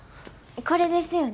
これですよね？